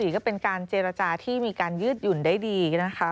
ก็เป็นการเจรจาที่มีการยืดหยุ่นได้ดีนะคะ